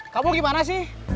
kamu gimana sih